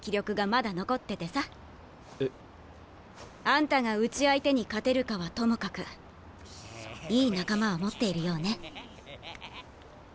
あんたがうち相手に勝てるかはともかくいい仲間は持っているようね。